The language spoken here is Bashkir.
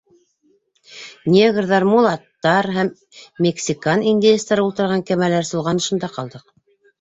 Негрҙар, мулаттар һәм мексикан индеецтары ултырған кәмәләр солғанышында ҡалдыҡ.